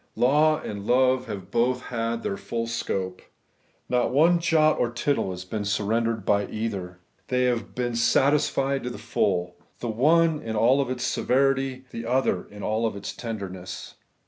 Law and love have both had their full scope. Not one jot or tittle has been surrendered by either. They have been satisfied to the full ; the one in all its severity, the other in all its tenderness.